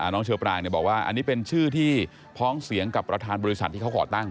เชอปรางบอกว่าอันนี้เป็นชื่อที่พ้องเสียงกับประธานบริษัทที่เขาก่อตั้ง